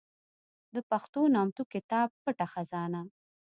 د پښتو نامتو کتاب پټه خزانه